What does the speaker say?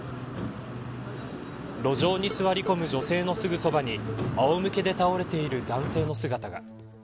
路上に座り込む女性のすぐそばにあおむけで倒れている男性の姿が。